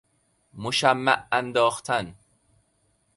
مشمع انداختن